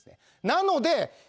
なので。